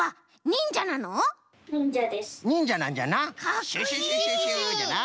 にんじゃなんじゃな。